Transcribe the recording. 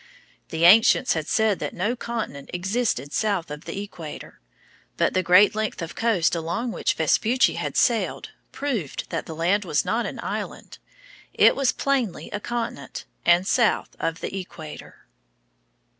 The ancients had said that no continent existed south of the equator. But the great length of coast along which Vespucci had sailed proved that the land was not an island. It was plainly a continent, and south of the equator.